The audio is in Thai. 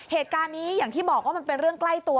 เหตุการณ์นี้อย่างที่บอกว่ามันเป็นเรื่องใกล้ตัว